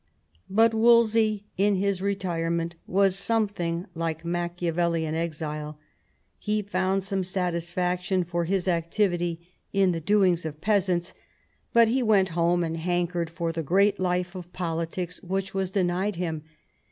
But Wolsey in his retirement was something like Machiavelli in exile ; he found some satisfaction for his activity in the X THE FALL OF WOLSEY 196 doings of peasants, but he went home and hankered for the great life of politics which was denied him.